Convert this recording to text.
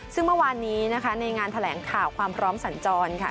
ซึ่งเมื่อวานนี้นะคะในงานแถลงข่าวความพร้อมสัญจรค่ะ